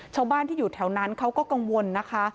ชาวบ้านที่อยู่แถวนั้นเขาก็กังวลนะคะ